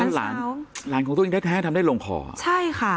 หลานของตัวเองแท้ทำได้ลงขอ